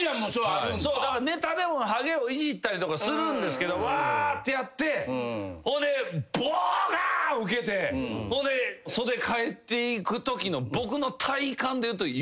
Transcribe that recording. ネタでもハゲをいじったりとかするんですけど「うわ！」ってやってほんで「ボカーン！」ウケてほんで袖帰っていくときの。